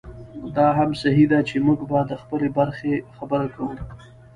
دا هم صحي ده چې موږ به د خپلې برخې خبره کوو.